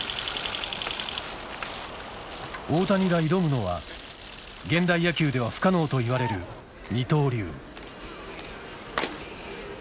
大谷が挑むのは現代野球では不可能といわれる二刀流。